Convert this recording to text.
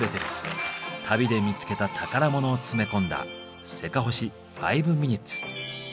旅で見つけた宝物を詰め込んだ「せかほし５ｍｉｎ．」。